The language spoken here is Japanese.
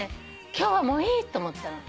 今日はもういいって思ったの。